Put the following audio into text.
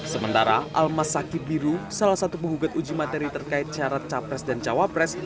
sementara almas saki biru salah satu penghugat uji materi terkait syarat cawapres dan cawapres